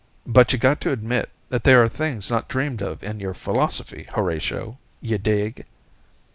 "But you got to admit that there are things not dreamed of in your philosophy, Horatio. You dig?"